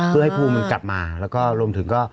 เพื่อให้ภูมิมันกลับมาแล้วก็รวมถึงก็